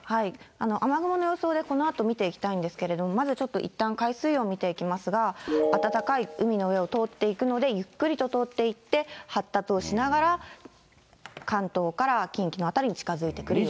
雨雲の予想でこのあと見ていきたいんですけれども、まずちょっと、いったん海水温見ていきますが、暖かい海の上を通っていくので、ゆっくりと通っていって、発達をしながら、関東から近畿の辺りに近づいてくる予想です。